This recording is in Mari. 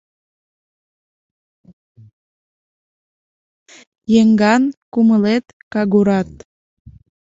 Еҥган кумылет кагурат -